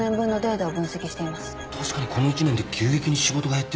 確かにこの１年で急激に仕事が減ってるな。